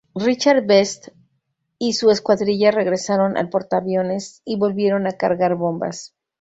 Richard Best y su escuadrilla regresaron al portaviones y volvieron a cargar bombas.